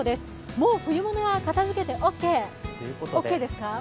もう冬物は片づけてオーケーですか？